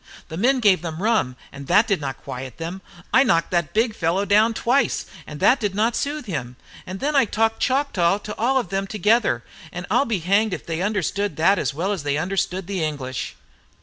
The men gave them rum, and that did not quiet them. I knocked that big fellow down twice, and that did not soothe him. And then I talked Choctaw to all of them together; and I'll be hanged if they understood that as well as they understood the English."